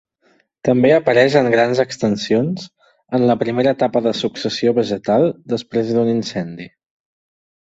També apareix en grans extensions en la primera etapa de successió vegetal després d'un incendi.